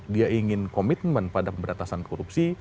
dia ingin komitmen pada pemberantasan korupsi